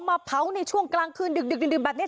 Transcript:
มาเผาในช่วงกลางคืนดึกดื่นแบบนี้